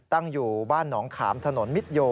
ตั้งอยู่บ้านหนองขามถนนมิตโย